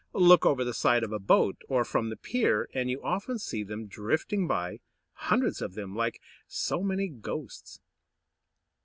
Look over the side of a boat, or from the pier, and you often see them drifting by, hundreds of them, like so many ghosts.